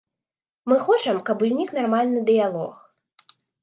Мы хочам, каб узнік нармальны дыялог.